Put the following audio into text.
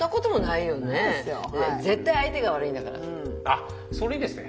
あっそれいいですね。